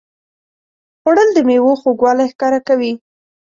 خوړل د میوو خوږوالی ښکاره کوي